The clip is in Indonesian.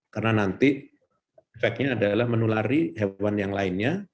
karena nanti efeknya adalah menulari hewan yang lainnya